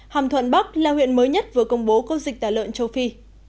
hàm thuận bắc là huyện mới nhất vừa công bố có dịch tả lợn châu phi